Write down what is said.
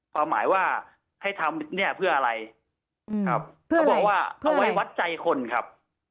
ความหมายว่าให้ทำเนี่ยเพื่ออะไรครับเขาบอกว่าเอาไว้วัดใจคนครับ